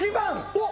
おっ！